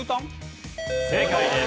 正解です。